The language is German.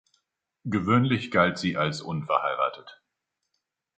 Gewöhnlich galt sie als unverheiratet.